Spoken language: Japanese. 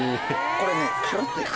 これね。